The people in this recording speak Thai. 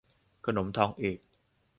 ขนมทองเอก